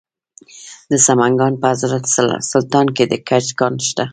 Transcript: د سمنګان په حضرت سلطان کې د ګچ کان شته.